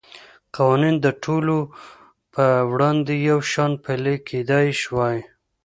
قوانین د ټولو په وړاندې یو شان پلی کېدای شوای.